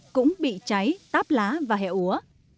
cũng bị cháy táp lá và héo úa